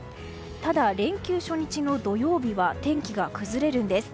ただ、連休初日の土曜日は天気が崩れるんです。